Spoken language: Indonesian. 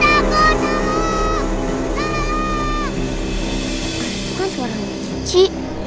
kan suara cuci